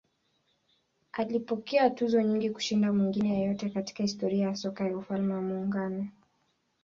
Alipokea tuzo nyingi kushinda mwingine yeyote katika historia ya soka ya Ufalme wa Muungano.